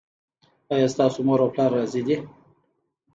ایا ستاسو مور او پلار راضي دي؟